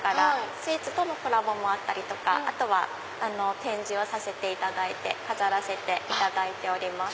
スイーツとのコラボもあったりあの展示をさせていただいて飾らせていただいております。